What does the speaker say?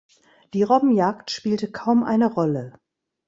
Die Robbenjagd spielte kaum eine Rolle.